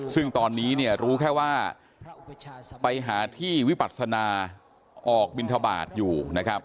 ซึ่งตอนนี้เนี่ยรู้แค่ว่าไปหาที่วิปัศนาออกบินทบาทอยู่นะครับ